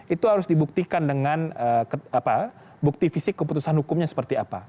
itu harus dibuktikan dengan bukti fisik keputusan hukumnya seperti apa